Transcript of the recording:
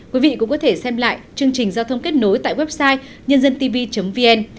quý vị cũng có thể xem lại chương trình giao thông kết nối tại website nhândântv vn